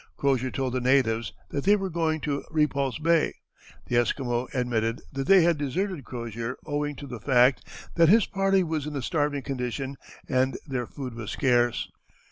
Crozier told the natives that they were going to Repulse Bay. The Esquimaux admitted that they had deserted Crozier owing to the fact that his party was in a starving condition and their food was scarce.